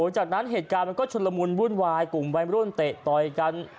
จากนั้นเหตุการณ์มันก็ชุนละมุนวุ่นวายกลุ่มวัยรุ่นเตะต่อยกัน